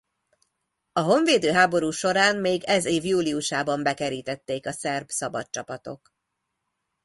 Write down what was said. A honvédő háború során még ez év júliusában bekerítették a szerb szabadcsapatok.